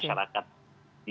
dan sudah terkendali